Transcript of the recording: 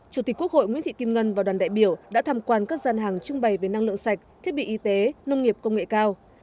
chủ tịch quốc hội nguyễn thị kim ngân và đoàn đại biểu đã tham quan các gian hàng trưng bày về năng lượng sạch thiết bị y tế nông nghiệp công nghệ cao